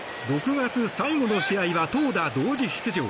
６月最後の試合は投打同時出場。